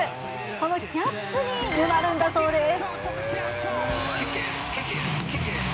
そのギャップに沼るんだそうです。